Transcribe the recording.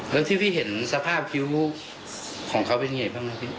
แล้วที่พี่เห็นสภาพคิ้วของเขาเป็นยังไงบ้างครับพี่